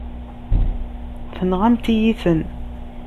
Tenɣamt-iyi-ten.